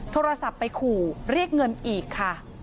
โทรศัพท์ไปขู่เรียกเงินอีกค่ะ